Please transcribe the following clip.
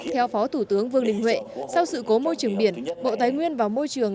theo phó thủ tướng vương đình huệ sau sự cố môi trường biển bộ tài nguyên và môi trường